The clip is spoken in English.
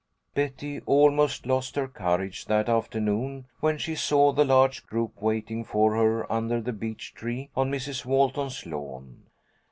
Betty almost lost her courage that afternoon when she saw the large group waiting for her under the beech trees on Mrs. Walton's lawn.